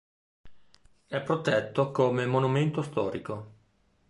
È protetto come monumento storico.